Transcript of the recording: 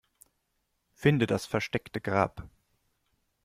Finde das versteckte Grab.